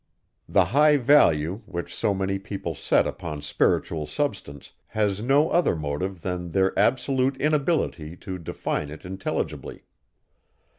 The high value, which so many people set upon spiritual substance, has no other motive than their absolute inability to define it intelligibly.